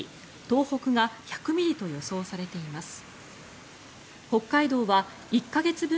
東北が１００ミリと予想されています。